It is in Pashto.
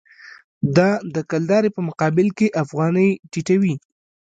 دا د کلدارې په مقابل کې افغانۍ ټیټوي.